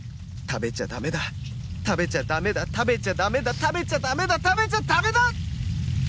食べちゃダメだ食べちゃダメだ食べちゃダメだ食べちゃダメだ！